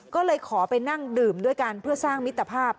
ก็เลยขอไปนั่งดื่มด้วยกันเพื่อสร้างมิตรภาพ